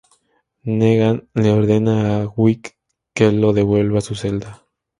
Negan le ordena a Dwight que lo devuelva a su celda.